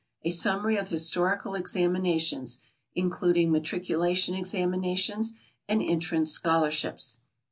A Summary of Historical Examinations, including Matriculation Examinations and Entrance Scholarships.